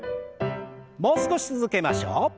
もう少し続けましょう。